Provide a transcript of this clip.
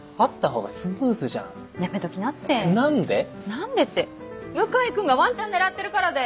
何でって向井君がワンチャン狙ってるからだよ！